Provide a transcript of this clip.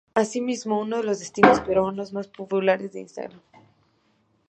Asimismo es uno de los destinos peruanos más populares de Instagram.